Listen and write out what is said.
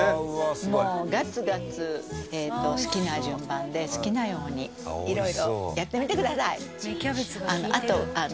もうガツガツ好きな順番で好きなように色々やってみてください。